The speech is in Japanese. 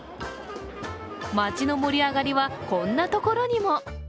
町の盛り上がりはこんなところにも。